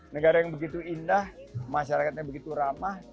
negara yang begitu indah masyarakatnya begitu ramah